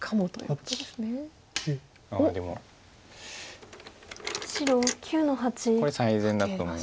これ最善だと思います